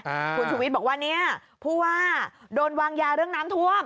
คุณชูวิทย์บอกว่าเนี้ยผู้ว่าโดนวางยาเรื่องน้ำท่วม